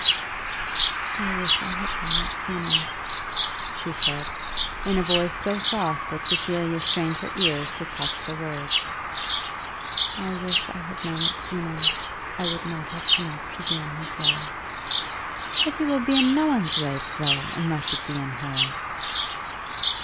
"I wish I had known it sooner," she said, in a voice so soft that Cecilia strained her ears to catch the words. "I wish I had known it sooner. I would not have come up to be in his way." "But you will be in no one's way, Flo, unless it be in hers."